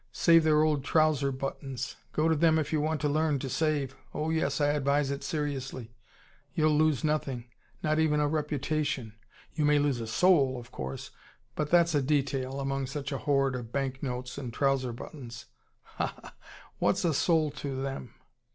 Save their old trouser buttons! Go to them if you want to learn to save. Oh, yes, I advise it seriously. You'll lose nothing not even a reputation. You may lose a SOUL, of course. But that's a detail, among such a hoard of banknotes and trouser buttons. Ha ha! What's a soul, to them